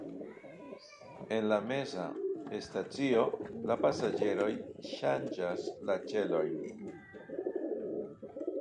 En la meza stacio la pasaĝeroj ŝanĝas la ĉelojn.